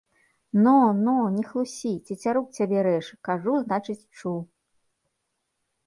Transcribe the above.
Но, но, не хлусі, цецярук цябе рэж, кажу, значыць, чуў.